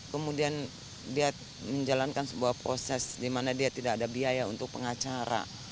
kemudian dia menjalankan sebuah proses di mana dia tidak ada biaya untuk pengacara